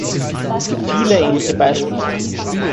Es gibt viele ähnliche Beispiele.